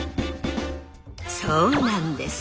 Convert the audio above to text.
そうなんです。